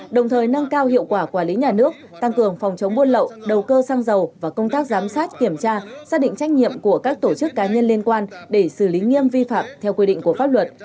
đồng thời nâng cao hiệu quả quản lý nhà nước tăng cường phòng chống buôn lậu đầu cơ xăng dầu và công tác giám sát kiểm tra xác định trách nhiệm của các tổ chức cá nhân liên quan để xử lý nghiêm vi phạm theo quy định của pháp luật